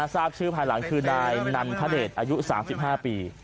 ทราบชื่อภายหลังคือนายนันทเดชอายุ๓๕ปี